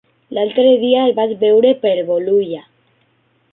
L'altre dia el vaig veure per Bolulla.